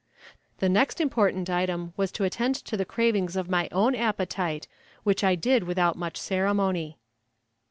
The next important item was to attend to the cravings of my own appetite, which I did without much ceremony.